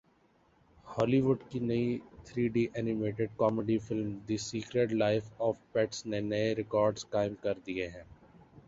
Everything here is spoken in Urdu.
ہالی وڈ کی نئی three D animated comedy film the secret life of pets نے نئے ریکارڈز قائم کر دیے ہیں